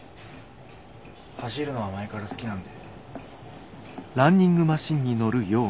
走るのは前から好きなんで。